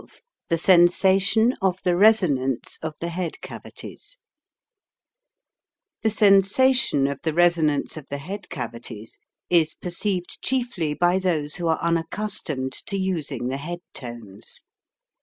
SECTION XII THE SENSATION OF THE RESONANCE OF THE HEAD CAVITIES THE sensation of the resonance of the head cavities is perceived chiefly by those who are unaccustomed to using the head tones.